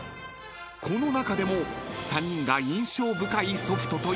［この中でも３人が印象深いソフトというのが］